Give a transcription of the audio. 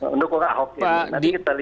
mendukung ahok ini